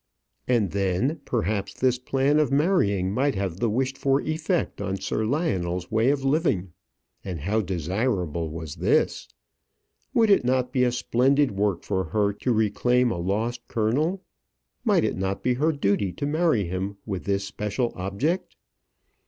And then, perhaps, this plan of marrying might have the wished for effect on Sir Lionel's way of living; and how desirable was this! Would it not be a splendid work for her to reclaim a lost colonel? Might it not be her duty to marry him with this special object?